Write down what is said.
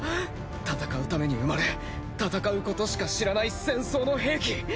戦うために生まれ戦うことしか知らない戦争の兵器。